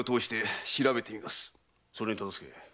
それに忠相。